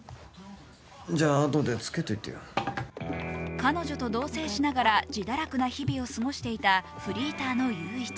彼女と同棲しながら自堕落な日々を過ごしていたフリーターの裕一。